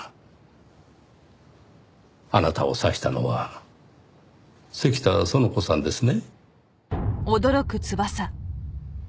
あなたを刺したのは関田園子さんですね？